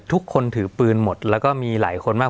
ทุกคนถือปืนหมดแล้วก็มีหลายคนมาก